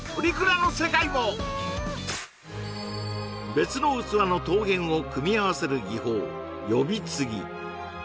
別の器の陶片を組み合わせる技法呼び継ぎ